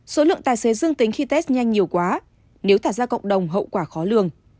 số lượng tài xế dương tính khi test nhanh nhiều quá nếu thả ra cộng đồng hậu quả khó lường